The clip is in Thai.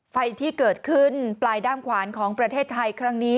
ไฟที่เกิดขึ้นปลายด้ามขวานของประเทศไทยครั้งนี้